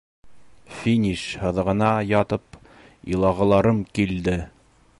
Финиш һыҙығына ятып илағыларым килде!